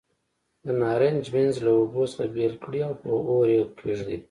د نارنج منځ له اوبو څخه بېل کړئ او په اور یې کېږدئ.